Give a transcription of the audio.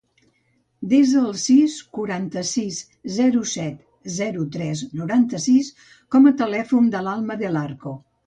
Desa el sis, quaranta-sis, zero, set, zero, tres, noranta-sis com a telèfon de l'Alma Del Arco.